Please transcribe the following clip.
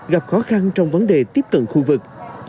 gặp khó khăn trong vấn đề tiếp cận khu vực